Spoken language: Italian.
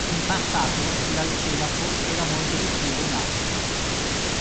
In passato l'alcelafo era molto diffuso in Africa.